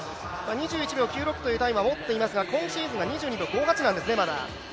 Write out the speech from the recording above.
２１秒９６というタイムは持っていますが２２秒５８なんですね、まだ。